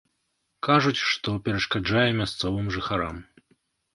Кажуць, што перашкаджае мясцовым жыхарам.